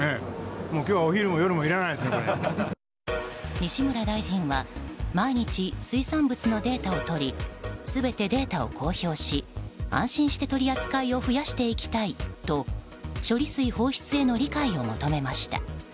西村大臣は毎日、水産物のデータを取り全てデータを公表し安心して取り扱いを増やしていきたいと処理水放出への理解を求めました。